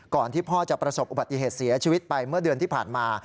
ที่พ่อจะประสบอุบัติเหตุเสียชีวิตไปเมื่อเดือนที่ผ่านมา